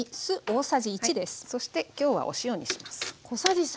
そして今日はお塩にします。